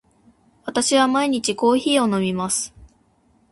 私は毎日コーヒーを飲みます。